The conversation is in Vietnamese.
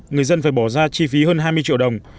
người dân phải bỏ ra chi phí hơn hai mươi triệu đồng